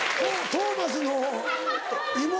トーマスの妹。